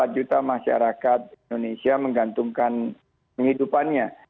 tiga puluh empat juta masyarakat indonesia menggantungkan kehidupannya